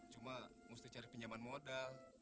cuma mesti cari pinjaman modal